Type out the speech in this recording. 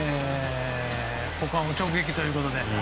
股間を直撃ということで。